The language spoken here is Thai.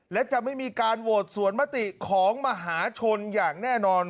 และจะไม่มีการโหวตสวนมติของมหาชนอย่างแน่นอน